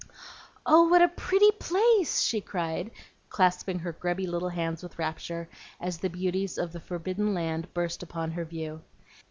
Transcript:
"Oh, what a pretty place!" she cried, clasping her grubby little hands with rapture, as the beauties of the forbidden land burst upon her view.